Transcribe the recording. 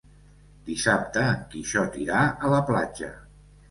Dissabte en Quixot irà a la platja.